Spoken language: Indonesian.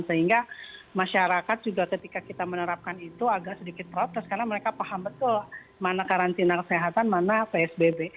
sehingga masyarakat juga ketika kita menerapkan itu agak sedikit protes karena mereka paham betul mana karantina kesehatan mana psbb